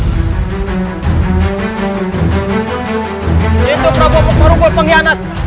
cintu prabowo memperubuh pengkhianat